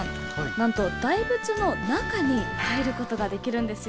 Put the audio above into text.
なんと、大仏の中に入ることができるんですよ。